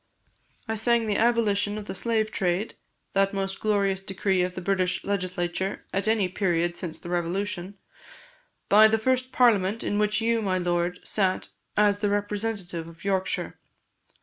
I sang the abolition of the slave trade, that most glorious decree of the British Legislature at any period since the Revolution, by the first Parliament in which you, my Lord, sat as the representative of Yorkshire.